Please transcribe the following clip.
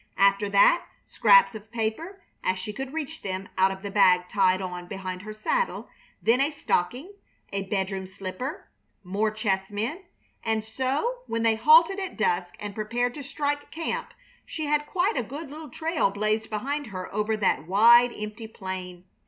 After that scraps of paper, as she could reach them out of the bag tied on behind her saddle; then a stocking, a bedroom slipper, more chessmen, and so, when they halted at dusk and prepared to strike camp, she had quite a good little trail blazed behind her over that wide, empty plain.